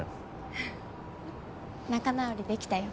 ふふっ仲直りできたよ。